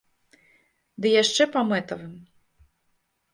Ды яшчэ па мэтавым.